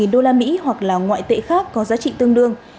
một mươi đô la mỹ hoặc là ngoại tệ khác có giá trị tương đương